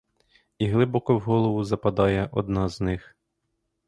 І глибоко в голову западає одна з них.